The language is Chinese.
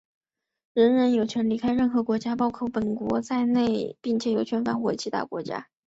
人人有权离开任何国家,包括其本国在内,并有权返回他的国家。